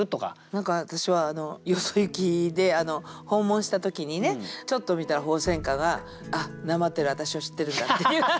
何か私はよそゆきで訪問した時にねちょっと見たら鳳仙花があっなまってる私を知ってるんだっていう。